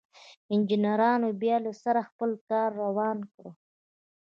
انجنيرانو بيا له سره خپل کار روان کړ.